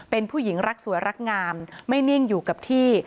เป็นผู้หญิงรักสวยรักงามไม่นิ่งอยู่กับที่